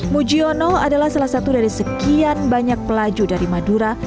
mujiono adalah salah satu dari sekian banyak pelaju dari madura